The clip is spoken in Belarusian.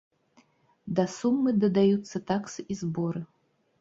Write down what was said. Да сумы дадаюцца таксы і зборы.